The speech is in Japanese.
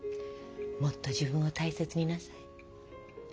もっと自分を大切になさい。